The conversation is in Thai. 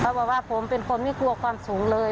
บอกว่าผมเป็นคนไม่กลัวความสูงเลย